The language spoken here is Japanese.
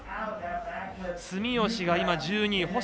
住吉が今、１２位。